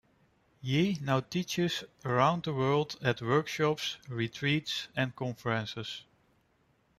Yee now teaches around the world at workshops, retreats, and conferences.